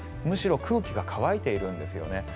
むしろ空気が乾いているんですよね。